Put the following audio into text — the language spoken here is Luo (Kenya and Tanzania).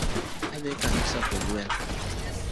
Adhi kanisa kogwen